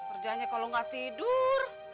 kerjanya kalau nggak tidur